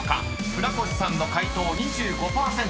［船越さんの解答２５％］